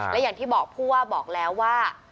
และอย่างที่บอกผู้ว่าบอกแล้วว่า